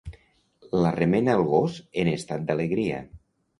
La remena el gos en estat d'alegria.